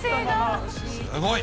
すごい。